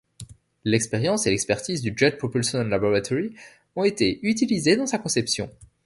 L'expérience et l’expertise du Jet Propulsion Laboratory ont été utilisées dans sa conception.